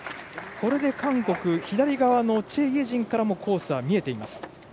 これで韓国チェ・イェジンからもコースは見えています。